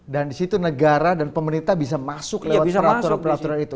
dan di situ negara dan pemerintah bisa masuk lewat peraturan itu